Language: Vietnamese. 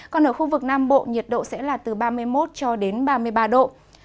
còn ở khu vực nam bộ nhiệt độ sẽ là từ ba mươi một cho đến ba mươi ba độ